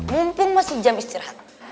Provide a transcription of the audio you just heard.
mumpung masih jam istirahat